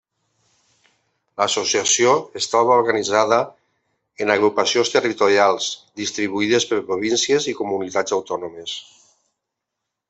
L'associació es troba organitzada en agrupacions territorials distribuïdes per províncies i comunitats autònomes.